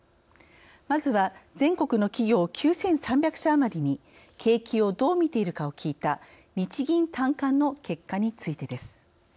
まずは全国の企業９３００社余りに景気をどう見ているかを聞いた日銀短観の結果についてです。